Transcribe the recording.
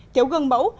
thiếu gương mẫu